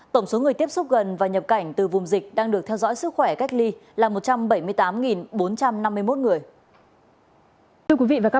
tổng số người tiếp xúc gần và nhập cảnh từ vùng dịch đang được theo dõi sức khỏe cách ly là một trăm bảy mươi tám bốn trăm năm mươi một người